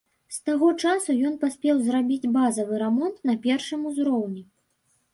З таго часу ён паспеў зрабіць базавы рамонт на першым узроўні.